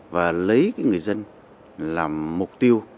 và lấy cái người dân làm mục tiêu